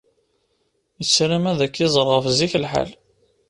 Yessaram ad k-iẓer ɣef zik lḥal.